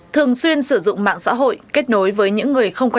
thường xuyên sử dụng mạng xã hội kết nối với những người không có